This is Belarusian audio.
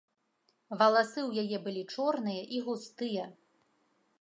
Валасы ў яе былі чорныя і густыя.